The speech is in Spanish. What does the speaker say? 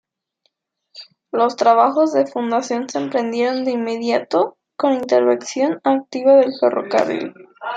Los trabajos de fundación se emprendieron de inmediato, con intervención activa del ferrocarril.